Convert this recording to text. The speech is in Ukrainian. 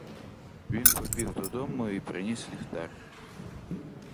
Він побіг додому і приніс ліхтар.